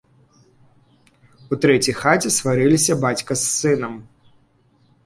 У трэцяй хаце сварыліся бацька з сынам.